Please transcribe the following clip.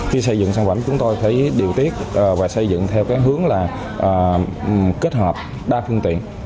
khi xây dựng sản phẩm chúng tôi thấy điều tiết và xây dựng theo hướng là kết hợp đa phương tiện